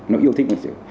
nó yêu thích môn lịch sử